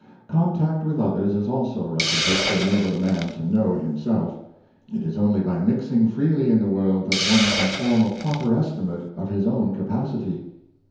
Contact with others is also requisite to enable a man to know himself It is only by mixing freely in the world that one can form a proper estimate of his own capacity.